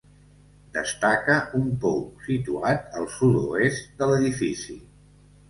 Destaca un pou, situat al sud-oest de l'edifici.